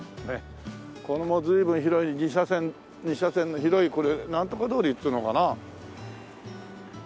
これも随分広い２車線２車線の広いこれなんとか通りっていうのかな？